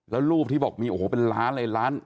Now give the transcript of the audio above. แล้วรูปที่บอกมีโอ้โหเป็นล้านเลยล้าน